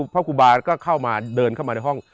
พระครูบาก็เข้ามาเดินเข้ามาในห้อง